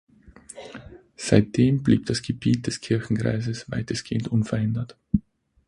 Seitdem blieb das Gebiet des Kirchenkreises weitestgehend unverändert.